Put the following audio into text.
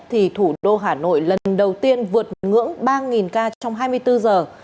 thì thủ đô hà nội lần đầu tiên vượt ngưỡng ba ca trong hai mươi bốn giờ